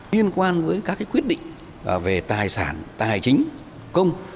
liên quan với các quyết định về tài sản tài chính công